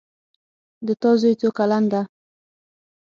د تا زوی څو کلن ده